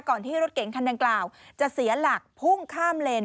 ที่รถเก๋งคันดังกล่าวจะเสียหลักพุ่งข้ามเลน